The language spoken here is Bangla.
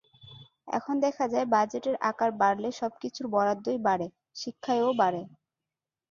এখন দেখা যায়, বাজেটের আকার বাড়লে সবকিছুর বরাদ্দই বাড়ে, শিক্ষায়ও বাড়ে।